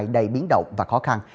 đầy biến động và khó khăn